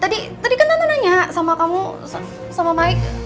tadi kan tante nanya sama kamu sama mike